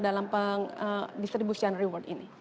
dalam pengdistribusian reward ini